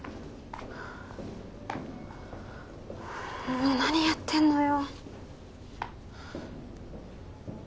もう何やってんのよ